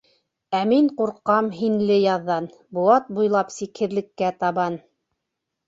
Ә мин ҡурҡам һинле яҙҙан, Быуат буйлап сикһеҙлеккә табан...